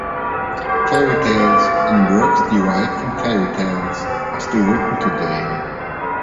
Fairy tales, and works derived from fairy tales, are still written today.